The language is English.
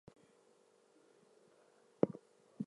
Daudov suggested that the mufti is deliberately hiding.